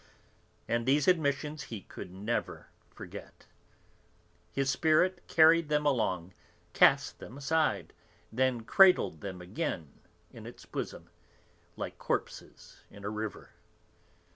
And these admissions he could never forget. His spirit carried them along, cast them aside, then cradled them again in its bosom, like corpses in a river.